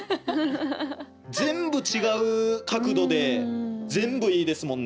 全部違う角度で全部いいですもんね。